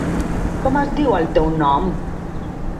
Com es diu el teu nom?